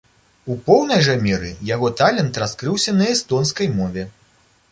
У поўнай жа меры яго талент раскрыўся на эстонскай мове.